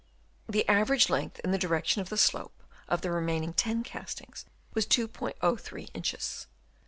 The average length in the direction of the slope of the remaining ten castings was 2*03 inches.